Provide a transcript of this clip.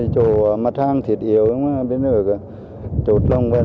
chỗ mặt hàng thịt yếu chốt lông